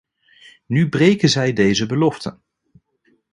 Nu breken zij deze belofte.